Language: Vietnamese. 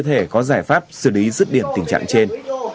như thế có giải pháp xử lý dứt điện tình trạng trên